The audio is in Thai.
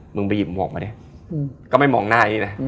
มึงไปหยิบหมวกมาเนี่ยก็ไม่มองหน้านี้นะ